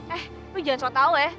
eh lu jangan sok tau ya